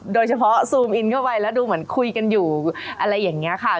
ซูมอินเข้าไปแล้วดูเหมือนคุยกันอยู่อะไรอย่างนี้ค่ะ